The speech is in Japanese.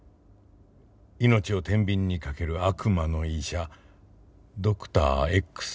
命を天秤にかける悪魔の医者ドクターＸと。